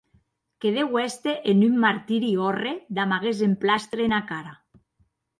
Que deu èster en un martiri òrre damb aguest emplastre ena cara.